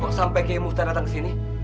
kok sampai kayak muhtar datang ke sini